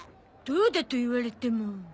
「どうだ？」と言われても。